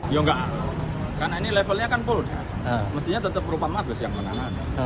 ya enggak karena ini levelnya kan polda mestinya tetap propam mabes yang menangannya